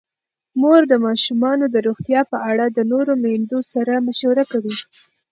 مور د ماشومانو د روغتیا په اړه د نورو میندو سره مشوره کوي.